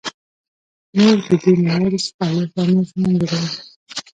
موږ د دې موادو څخه لوښي او نور شیان جوړوو.